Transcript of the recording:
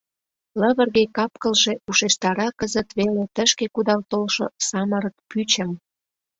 Лывырге капкылже ушештара кызыт веле тышке кудал толшо самырык пӱчым.